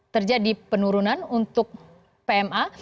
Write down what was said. terjadi penurunan untuk pma